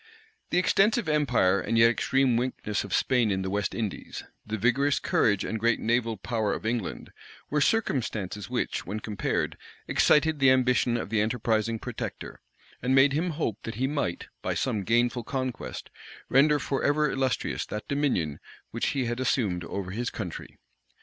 The extensive empire and yet extreme weakness of Spain in the West Indies, the vigorous courage and great naval power of England, were circumstances which, when compared, excited the ambition of the enterprising protector, and made him hope that he might, by some gainful conquest, render forever illustrious that dominion which he had assumed over his country.